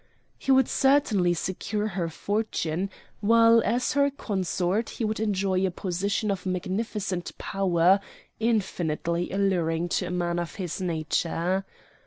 He would certainly secure her fortune, while as her consort he would enjoy a position of magnificent power, infinitely alluring to a man of his nature.